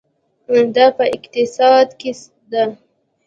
دا په اقتصاد کې ده.